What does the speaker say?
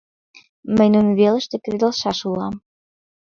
Мый нунын велыште кредалшаш улам.